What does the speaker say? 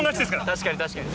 確かに確かに。